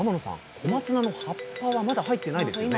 小松菜の葉っぱはまだ入ってないですよね？